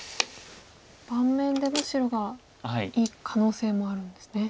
盤面でも白がいい可能性もあるんですね。